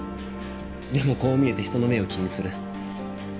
でもこう見えて人の目を気にする。